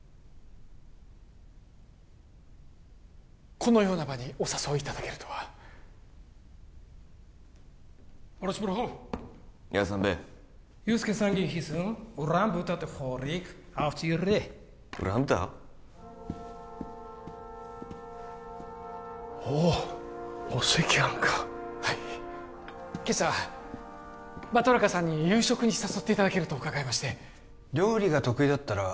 このような場にお誘いいただけるとはおおお赤飯かはい今朝バトラカさんに夕食に誘っていただけると伺いまして料理が得意だったら